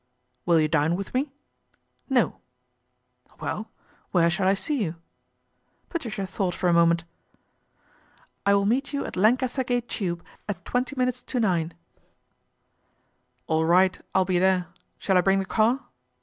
' Will you dine with me ?" No." ' Well, where shall I see you ?" Patricia thought for a moment. " I will meet ou at Lancaster Gate tube at twenty minutes to Line/ 90 PATRICIA BRENT, SPINSTER " All right, I'll be there. Shall I bring the car